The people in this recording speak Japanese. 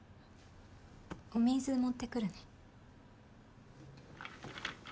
お水持ってくるね。